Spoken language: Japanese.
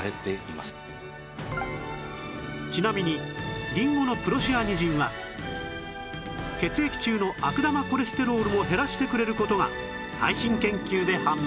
ちなみにりんごのプロシアニジンは血液中の悪玉コレステロールを減らしてくれる事が最新研究で判明